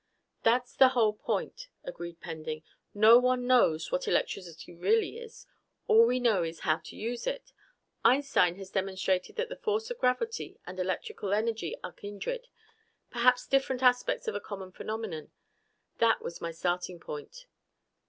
"That's the whole point," agreed Pending. "No one knows what electricity really is. All we know is how to use it. Einstein has demonstrated that the force of gravity and electrical energy are kindred; perhaps different aspects of a common phenomenon. That was my starting point."